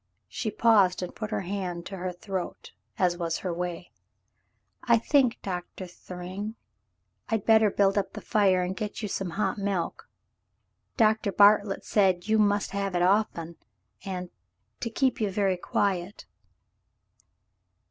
She paused and put her hand to her throat, as her way was. "I think. Doctor Thryng, I'd better build up the fire and get you some hot milk. Doctor Bartlett said you must have it often — and — to keep you very quiet."